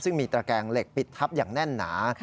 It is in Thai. ซึ่งมีตระแกงเหล็กปิดทับอย่างแน่นหนา